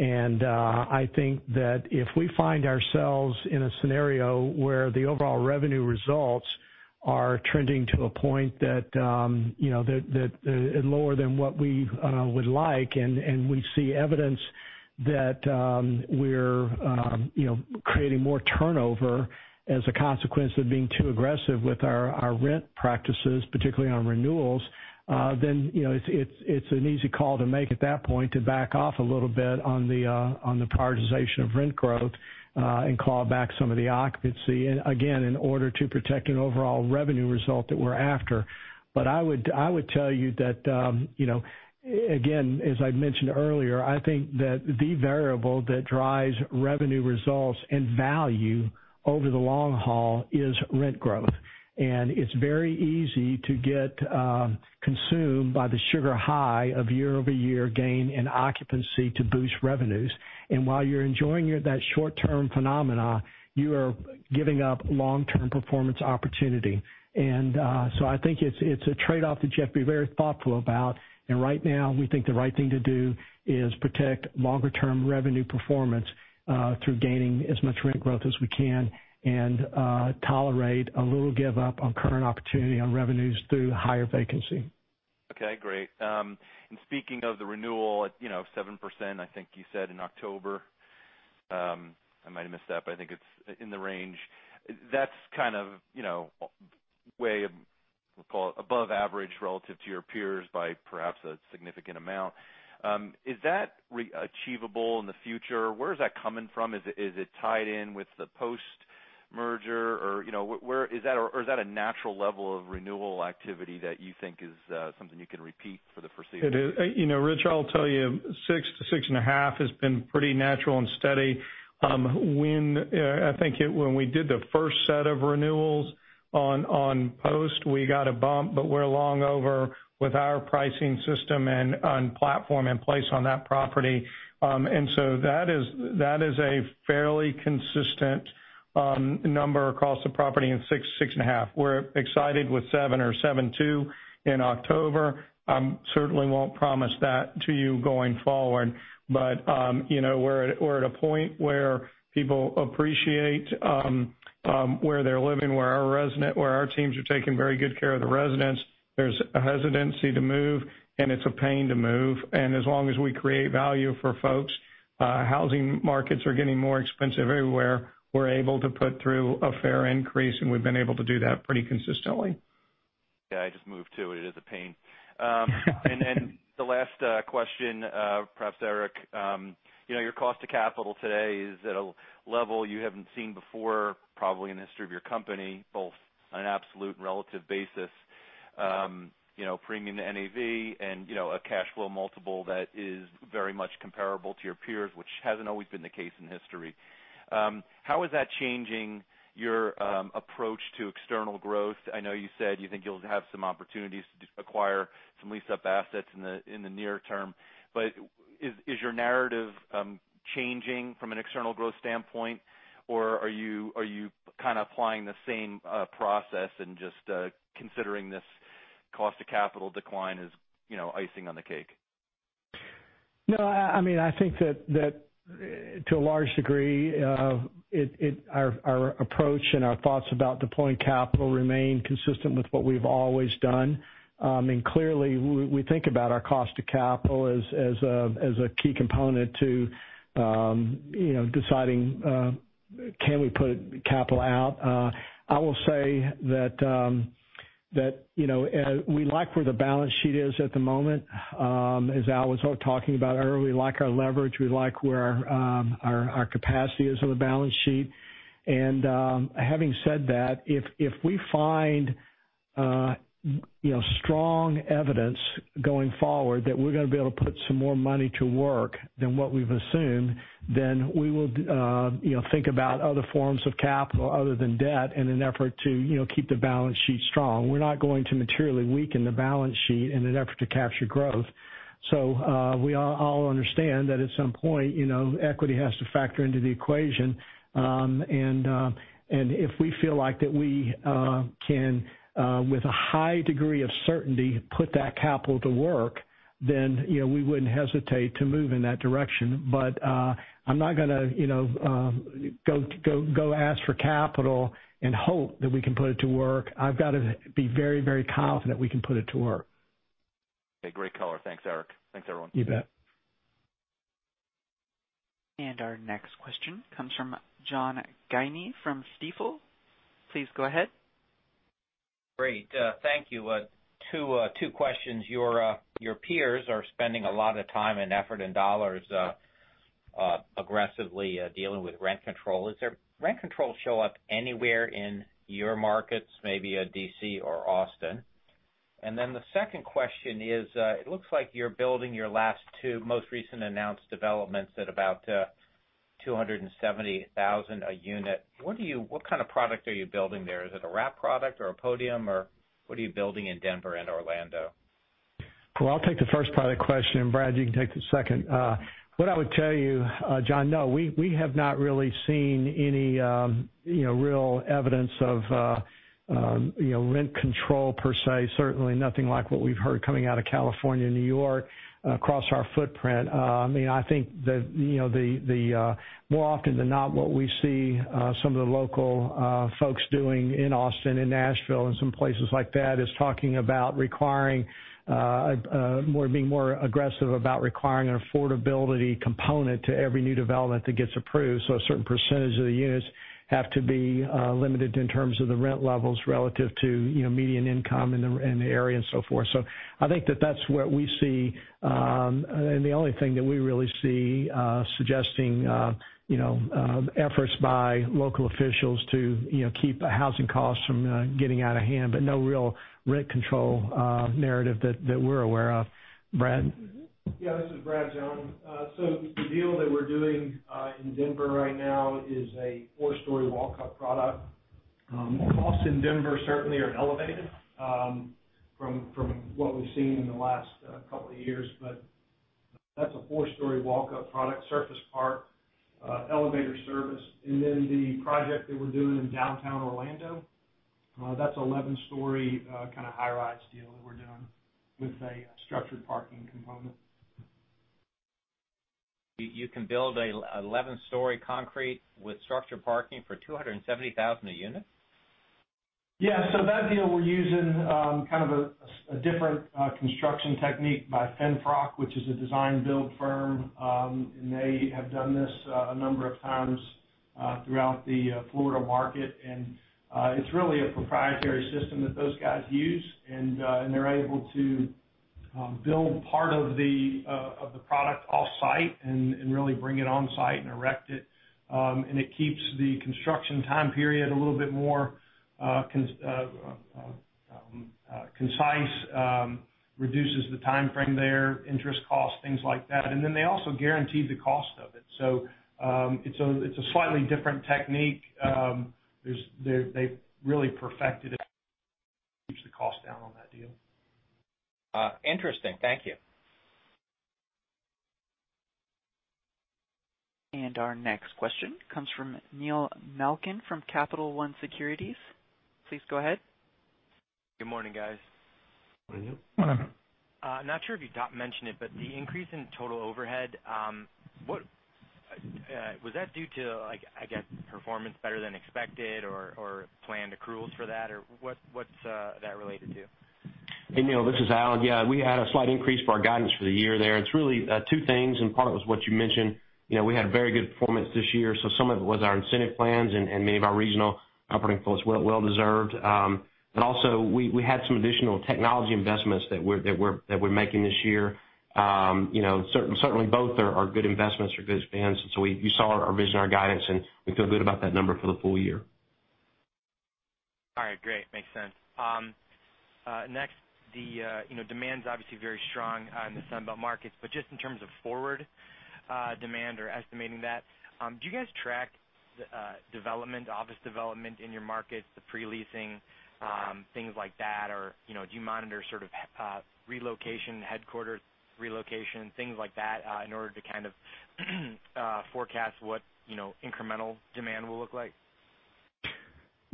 Speaker 3: I think that if we find ourselves in a scenario where the overall revenue results are trending to a point that lower than what we would like, and we see evidence that we're creating more turnover as a consequence of being too aggressive with our rent practices, particularly on renewals, then it's an easy call to make at that point to back off a little bit on the prioritization of rent growth, and claw back some of the occupancy. Again, in order to protect an overall revenue result that we're after. I would tell you that, again, as I mentioned earlier, I think that the variable that drives revenue results and value over the long haul is rent growth. It's very easy to get consumed by the sugar high of year-over-year gain and occupancy to boost revenues. While you're enjoying that short-term phenomena, you are giving up long-term performance opportunity. I think it's a trade-off that you have to be very thoughtful about. Right now, we think the right thing to do is protect longer-term revenue performance through gaining as much rent growth as we can and tolerate a little give up on current opportunity on revenues through higher vacancy.
Speaker 14: Okay, great. Speaking of the renewal at 7%, I think you said in October, I might have missed that, but I think it's in the range. That's kind of way above average relative to your peers by perhaps a significant amount. Is that achievable in the future? Where is that coming from? Is it tied in with the Post merger, or is that a natural level of renewal activity that you think is something you can repeat for the foreseeable future?
Speaker 4: It is. Rich, I'll tell you, 6 to 6.5 has been pretty natural and steady. I think when we did the first set of renewals on Post, we got a bump, we're long over with our pricing system and platform in place on that property. That is a fairly consistent number across the property in 6.5. We're excited with 7 or 7.2 in October. Certainly won't promise that to you going forward. We're at a point where people appreciate where they're living, where our teams are taking very good care of the residents. There's a hesitancy to move, and it's a pain to move. As long as we create value for folks, housing markets are getting more expensive everywhere. We're able to put through a fair increase, we've been able to do that pretty consistently.
Speaker 14: Yeah, I just moved, too. It is a pain. The last question, perhaps Eric. Your cost of capital today is at a level you haven't seen before, probably in the history of your company, both on an absolute and relative basis. Premium to NAV and a cash flow multiple that is very much comparable to your peers, which hasn't always been the case in history. How is that changing your approach to external growth? I know you said you think you'll have some opportunities to acquire some lease-up assets in the near term, but is your narrative changing from an external growth standpoint, or are you kind of applying the same process and just considering this cost of capital decline as icing on the cake?
Speaker 3: No. I think that to a large degree, our approach and our thoughts about deploying capital remain consistent with what we've always done. Clearly, we think about our cost of capital as a key component to deciding, can we put capital out? I will say that we like where the balance sheet is at the moment. As Al was talking about earlier, we like our leverage, we like where our capacity is on the balance sheet. Having said that, if we find strong evidence going forward that we're going to be able to put some more money to work than what we've assumed, then we will think about other forms of capital other than debt in an effort to keep the balance sheet strong. We're not going to materially weaken the balance sheet in an effort to capture growth. We all understand that at some point, equity has to factor into the equation. If we feel like that we can, with a high degree of certainty, put that capital to work, then we wouldn't hesitate to move in that direction. I'm not going to go ask for capital and hope that we can put it to work. I've got to be very confident we can put it to work.
Speaker 14: Okay, great color. Thanks, Eric. Thanks, everyone.
Speaker 3: You bet.
Speaker 1: Our next question comes from John Guinee from Stifel. Please go ahead.
Speaker 15: Great. Thank you. Two questions. Your peers are spending a lot of time and effort and dollars aggressively dealing with rent control. Is rent control show up anywhere in your markets, maybe D.C. or Austin? The second question is, it looks like you're building your last two most recent announced developments at about $270,000 a unit. What kind of product are you building there? Is it a wrap product or a podium, or what are you building in Denver and Orlando?
Speaker 3: I'll take the first part of the question, and Brad, you can take the second. What I would tell you, John, no, we have not really seen any real evidence of rent control per se. Certainly nothing like what we've heard coming out of California, New York, across our footprint. I think that more often than not, what we see some of the local folks doing in Austin and Nashville and some places like that, is talking about being more aggressive about requiring an affordability component to every new development that gets approved. A certain percentage of the units have to be limited in terms of the rent levels relative to median income in the area and so forth. I think that that's what we see. The only thing that we really see suggesting efforts by local officials to keep housing costs from getting out of hand, but no real rent control narrative that we're aware of. Brad?
Speaker 7: Yeah, this is Brad, John. The deal that we're doing in Denver right now is a four-story walk-up product. Costs in Denver certainly are elevated from what we've seen in the last couple of years, but that's a four-story walk-up product, surface park, elevator service. The project that we're doing in downtown Orlando, that's an 11-story kind of high-rise deal that we're doing with a structured parking component.
Speaker 15: You can build an 11-story concrete with structured parking for $270,000 a unit?
Speaker 3: Yeah. That deal, we're using kind of a different construction technique by FINFROCK, which is a design-build firm. They have done this a number of times throughout the Florida market. It's really a proprietary system that those guys use. They're able to build part of the product offsite and really bring it on-site and erect it. It keeps the construction time period a little bit more concise, reduces the timeframe there, interest cost, things like that. They also guaranteed the cost of it. It's a slightly different technique. They've really perfected it, keeps the cost down on that deal.
Speaker 15: Interesting. Thank you.
Speaker 1: Our next question comes from Neil Malkin from Capital One Securities. Please go ahead.
Speaker 16: Good morning, guys.
Speaker 3: Morning, Neil.
Speaker 1: Morning.
Speaker 16: I'm not sure if you mentioned it, but the increase in total overhead, was that due to, I guess, performance better than expected or planned accruals for that, or what's that related to?
Speaker 5: Hey, Neil, this is Al. Yeah, we had a slight increase for our guidance for the year there. It's really two things. Part of it was what you mentioned. We had very good performance this year, so some of it was our incentive plans, and many of our regional operating folks well deserved. Also, we had some additional technology investments that we're making this year. Certainly both are good investments for good plans. You saw our vision, our guidance, and we feel good about that number for the full year.
Speaker 16: All right, great. Makes sense. Demand's obviously very strong in the Sun Belt markets, but just in terms of forward demand or estimating that, do you guys track office development in your markets, the pre-leasing, things like that? Do you monitor sort of relocation, headquarters relocation, things like that, in order to kind of forecast what incremental demand will look like?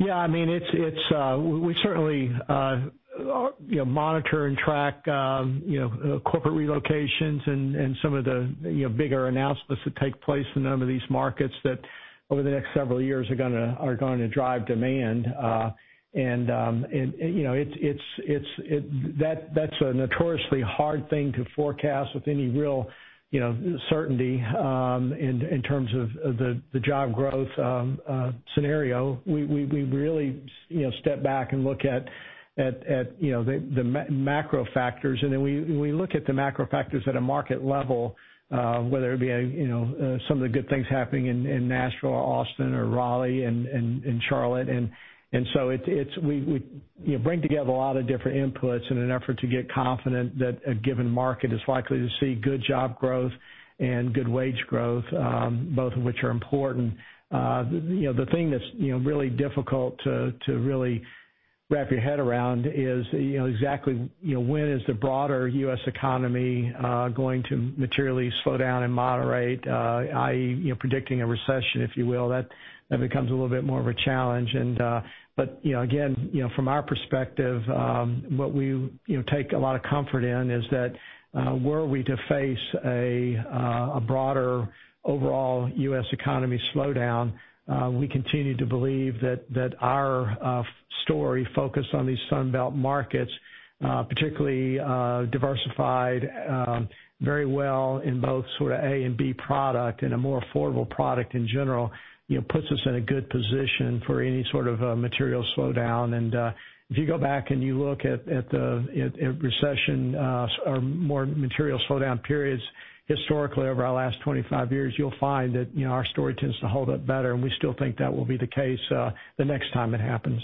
Speaker 3: Yeah, we certainly monitor and track corporate relocations and some of the bigger announcements that take place in a number of these markets that over the next several years are going to drive demand. That's a notoriously hard thing to forecast with any real certainty in terms of the job growth scenario. We really step back and look at the macro factors, and then we look at the macro factors at a market level, whether it be some of the good things happening in Nashville or Austin or Raleigh and Charlotte. We bring together a lot of different inputs in an effort to get confident that a given market is likely to see good job growth and good wage growth, both of which are important. The thing that's really difficult to really wrap your head around is exactly when is the broader U.S. economy going to materially slow down and moderate, i.e., predicting a recession, if you will. That becomes a little bit more of a challenge. Again, from our perspective, what we take a lot of comfort in is that were we to face a broader overall U.S. economy slowdown, we continue to believe that our story focused on these Sun Belt markets, particularly diversified very well in both sort of A and B product and a more affordable product in general, puts us in a good position for any sort of material slowdown. If you go back and you look at recession or more material slowdown periods historically over our last 25 years, you'll find that our story tends to hold up better, and we still think that will be the case the next time it happens.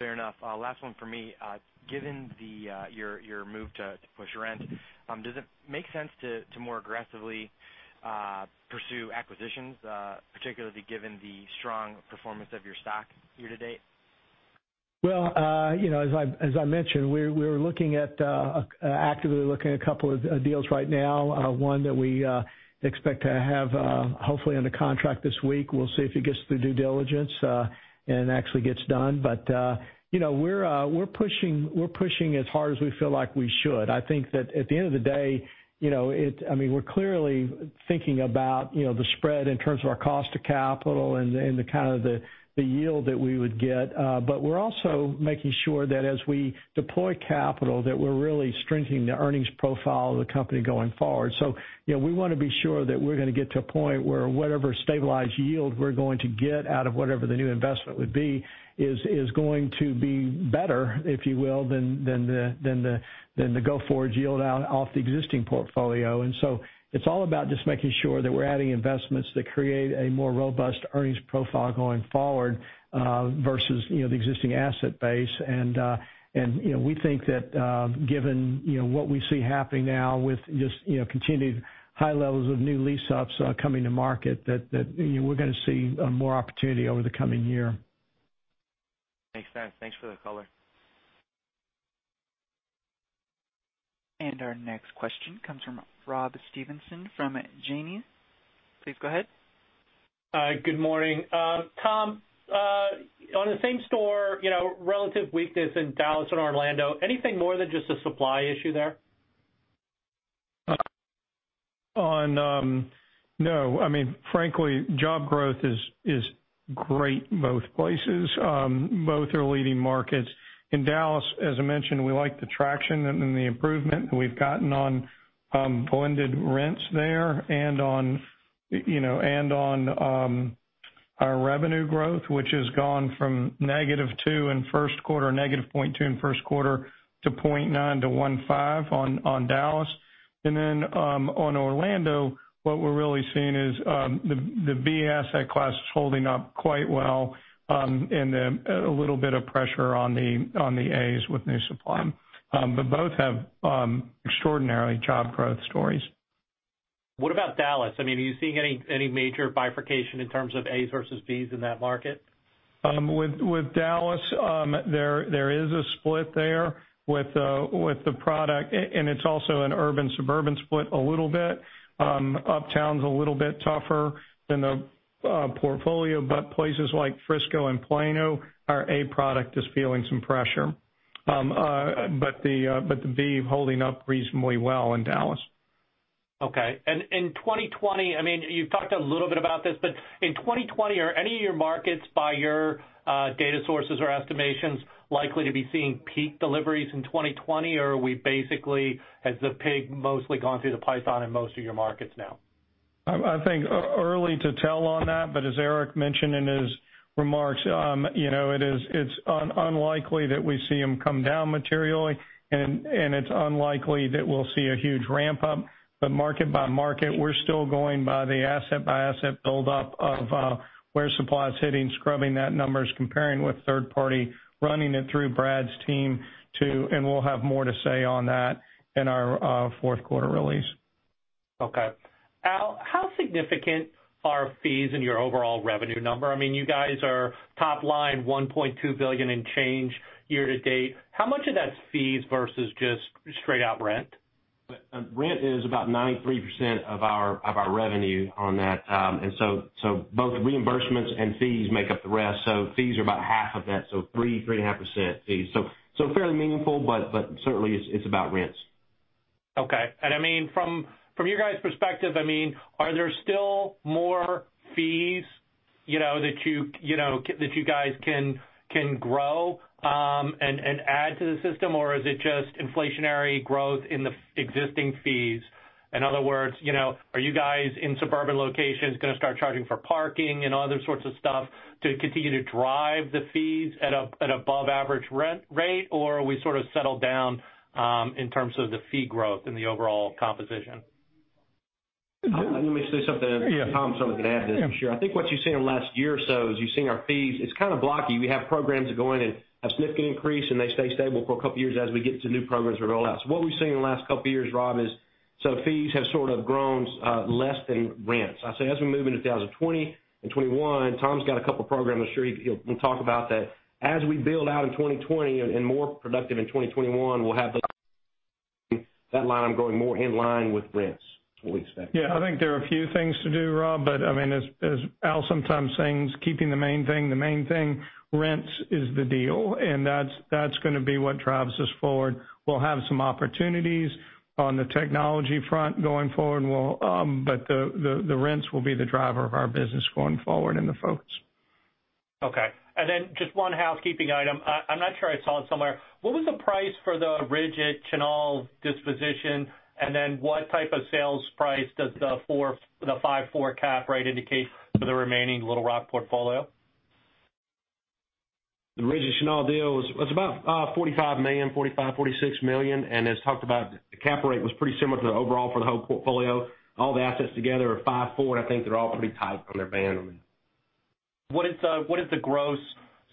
Speaker 16: Fair enough. Last one from me. Given your move to push rent, does it make sense to more aggressively pursue acquisitions, particularly given the strong performance of your stock year to date?
Speaker 3: Well, as I mentioned, we're actively looking at a couple of deals right now. One that we expect to have hopefully under contract this week. We'll see if it gets through due diligence and actually gets done. We're pushing as hard as we feel like we should. I think that at the end of the day, we're clearly thinking about the spread in terms of our cost of capital and kind of the yield that we would get. We're also making sure that as we deploy capital, that we're really strengthening the earnings profile of the company going forward. We want to be sure that we're going to get to a point where whatever stabilized yield we're going to get out of whatever the new investment would be is going to be better, if you will, than the go-forward yield off the existing portfolio. It's all about just making sure that we're adding investments that create a more robust earnings profile going forward versus the existing asset base. We think that given what we see happening now with just continued high levels of new lease ups coming to market, that we're going to see more opportunity over the coming year.
Speaker 16: Makes sense. Thanks for the color.
Speaker 1: Our next question comes from Rob Stevenson from Janney. Please go ahead.
Speaker 17: Good morning. Tom, on the same-store, relative weakness in Dallas and Orlando, anything more than just a supply issue there?
Speaker 4: Frankly, job growth is great in both places. Both are leading markets. In Dallas, as I mentioned, we like the traction and the improvement that we've gotten on blended rents there and on our revenue growth, which has gone from -2% in first quarter, -0.2% in first quarter to 0.9% to 1.5% on Dallas. On Orlando, what we're really seeing is the B asset class is holding up quite well, then a little bit of pressure on the A's with new supply. Both have extraordinary job growth stories.
Speaker 17: What about Dallas? Are you seeing any major bifurcation in terms of A's versus B's in that market?
Speaker 4: With Dallas, there is a split there with the product. It's also an urban-suburban split a little bit. Uptown's a little bit tougher than the portfolio, but places like Frisco and Plano, our A product is feeling some pressure. The B holding up reasonably well in Dallas.
Speaker 17: Okay. You've talked a little bit about this, but in 2020, are any of your markets by your data sources or estimations likely to be seeing peak deliveries in 2020? Or are we basically, has the pig mostly gone through the python in most of your markets now?
Speaker 4: I think early to tell on that, but as Eric mentioned in his remarks, it's unlikely that we see them come down materially, and it's unlikely that we'll see a huge ramp-up. Market by market, we're still going by the asset by asset build-up of where supply's hitting, scrubbing that numbers, comparing with third party, running it through Brad's team too, and we'll have more to say on that in our fourth quarter release.
Speaker 17: Okay. Al, how significant are fees in your overall revenue number? You guys are top line $1.2 billion in change year to date. How much of that's fees versus just straight-out rent?
Speaker 5: Rent is about 93% of our revenue on that. Both reimbursements and fees make up the rest. Fees are about half of that, 3%-3.5% fees. Fairly meaningful, but certainly, it's about rents.
Speaker 17: Okay. From your guys' perspective, are there still more fees that you guys can grow and add to the system, or is it just inflationary growth in the existing fees? In other words, are you guys in suburban locations going to start charging for parking and other sorts of stuff to continue to drive the fees at above average rent rate, or are we sort of settled down in terms of the fee growth in the overall composition?
Speaker 5: Let me say something. Tom certainly can add to this, I'm sure. I think what you've seen in the last year or so is you've seen our fees, it's kind of blocky. We have programs that go in and have significant increase, and they stay stable for a couple of years as we get to new programs roll out. What we've seen in the last couple of years, Rob, is fees have sort of grown less than rents. I say as we move into 2020 and 2021, Tom's got a couple of programs, I'm sure he'll talk about that. As we build out in 2020 and more productive in 2021, we'll have that line going more in line with rents is what we expect.
Speaker 4: Yeah, I think there are a few things to do, Rob, but as Al sometimes says, keeping the main thing, the main thing, rents is the deal, and that's going to be what drives us forward. We'll have some opportunities on the technology front going forward, but the rents will be the driver of our business going forward and the focus.
Speaker 17: Okay. Just one housekeeping item. I'm not sure I saw it somewhere. What was the price for the reagent channel disposition, and then what type of sales price does the 5.4 cap rate indicate for the remaining Little Rock portfolio?
Speaker 5: The reagent channel deal was about $45 million, $45 million-$46 million. As talked about, the cap rate was pretty similar to the overall for the whole portfolio. All the assets together are 5.4%. I think they're all pretty tight on their band on that.
Speaker 17: What is the gross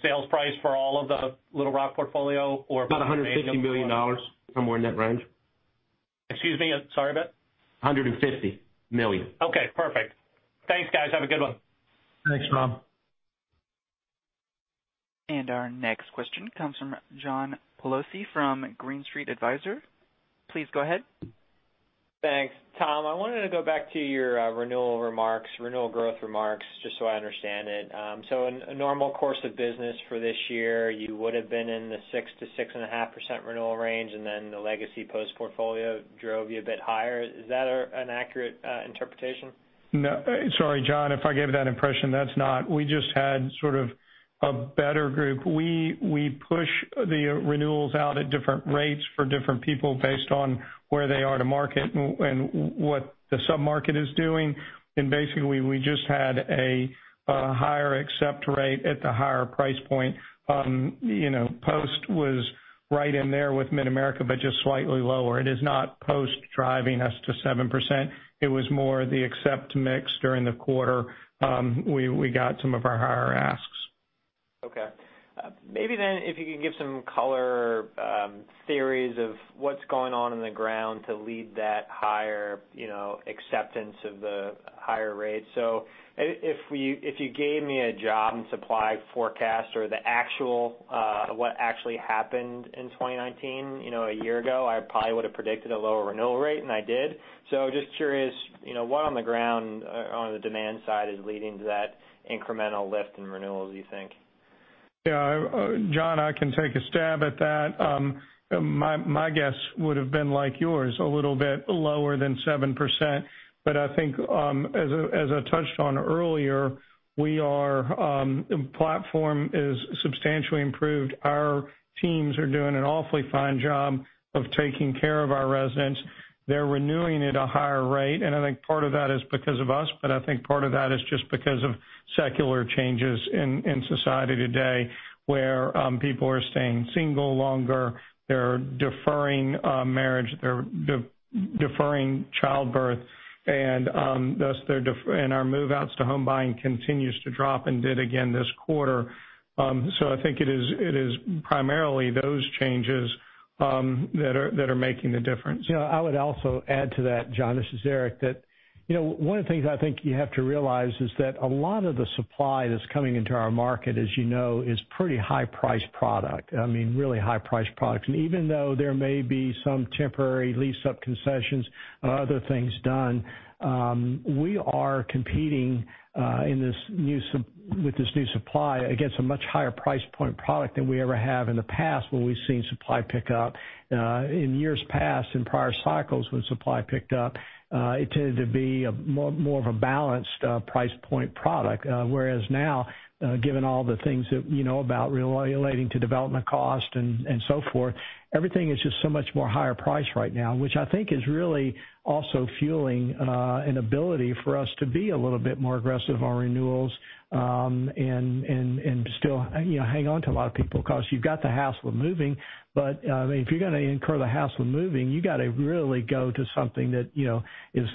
Speaker 17: sales price for all of the Little Rock portfolio?
Speaker 5: About $150 million, somewhere in that range.
Speaker 17: Excuse me. Sorry, bud.
Speaker 5: $150 million.
Speaker 17: Okay, perfect. Thanks, guys. Have a good one.
Speaker 4: Thanks, Rob.
Speaker 1: Our next question comes from John Pawlowski from Green Street Advisors. Please go ahead.
Speaker 18: Thanks. Tom, I wanted to go back to your renewal growth remarks, just so I understand it. In a normal course of business for this year, you would have been in the 6%-6.5% renewal range, and then the legacy Post portfolio drove you a bit higher. Is that an accurate interpretation?
Speaker 4: No. Sorry, John, if I gave that impression. That's not. We just had sort of a better group. We push the renewals out at different rates for different people based on where they are to market and what the sub-market is doing. Basically, we just had a higher accept rate at the higher price point. Post was right in there with Mid-America, but just slightly lower. It is not Post driving us to 7%. It was more the accept mix during the quarter. We got some of our higher asks.
Speaker 18: Okay. Maybe if you can give some color theories of what's going on in the ground to lead that higher acceptance of the higher rates? If you gave me a job and supply forecast or what actually happened in 2019, a year ago, I probably would have predicted a lower renewal rate, and I did. Just curious, what on the ground on the demand side is leading to that incremental lift in renewals, you think?
Speaker 4: John, I can take a stab at that. My guess would've been like yours, a little bit lower than 7%. I think, as I touched on earlier, the platform is substantially improved. Our teams are doing an awfully fine job of taking care of our residents. They're renewing at a higher rate, and I think part of that is because of us, but I think part of that is just because of secular changes in society today, where people are staying single longer, they're deferring marriage, they're deferring childbirth, and our move-outs to home buying continues to drop, and did again this quarter. I think it is primarily those changes that are making the difference.
Speaker 3: Yeah. I would also add to that, John, this is Eric, that one of the things I think you have to realize is that a lot of the supply that's coming into our market, as you know, is pretty high priced product. I mean, really high priced product. Even though there may be some temporary lease-up concessions or other things done, we are competing with this new supply against a much higher price point product than we ever have in the past when we've seen supply pick up. In years past, in prior cycles, when supply picked up, it tended to be more of a balanced price point product. Now, given all the things that you know about relating to development cost and so forth, everything is just so much more higher priced right now, which I think is really also fueling an ability for us to be a little bit more aggressive on renewals, and still hang on to a lot of people, because you've got the hassle of moving. If you're going to incur the hassle of moving, you got to really go to something that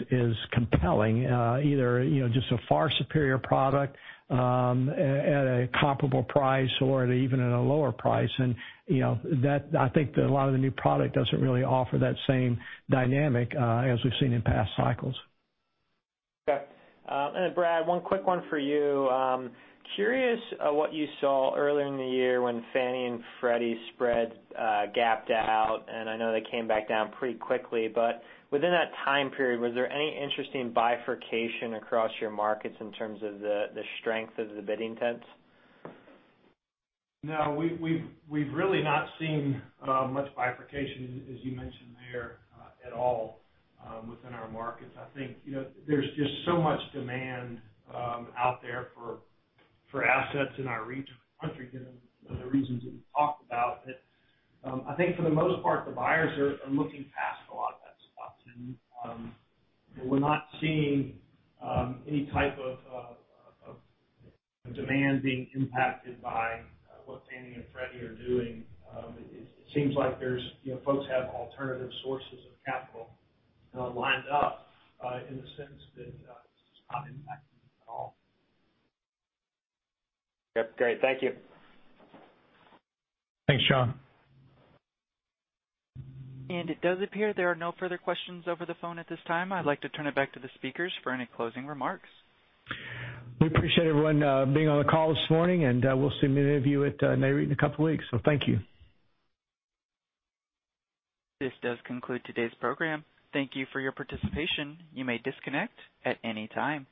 Speaker 3: is compelling. Either just a far superior product at a comparable price or even at a lower price. I think that a lot of the new product doesn't really offer that same dynamic as we've seen in past cycles.
Speaker 18: Okay. Brad, one quick one for you. Curious what you saw earlier in the year when Fannie and Freddie spread gapped out, and I know they came back down pretty quickly. Within that time period, was there any interesting bifurcation across your markets in terms of the strength of the bidding tents?
Speaker 7: No. We've really not seen much bifurcation, as you mentioned there, at all within our markets. I think there's just so much demand out there for assets in our region of the country for the reasons that we've talked about, that I think for the most part, the buyers are looking past a lot of that stuff. We're not seeing any type of demand being impacted by what Fannie and Freddie are doing. It seems like folks have alternative sources of capital lined up, in the sense that it's not impacting at all.
Speaker 18: Yep. Great. Thank you.
Speaker 4: Thanks, John.
Speaker 1: It does appear there are no further questions over the phone at this time. I'd like to turn it back to the speakers for any closing remarks.
Speaker 4: We appreciate everyone being on the call this morning, and we'll see many of you at Nareit in a couple of weeks. Thank you.
Speaker 1: This does conclude today's program. Thank you for your participation. You may disconnect at any time.